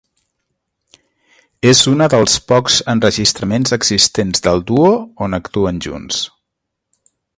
És una dels pocs enregistraments existents del duo on actuen junts.